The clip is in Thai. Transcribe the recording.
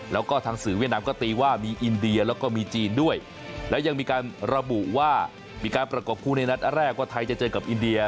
แล้วก็ทางสื่อเวียดนามก็ตีว่ามีอินเดียแล้วก็มีจีนด้วยและยังมีการระบุว่ามีการประกบคู่ในนัดแรกว่าไทยจะเจอกับอินเดีย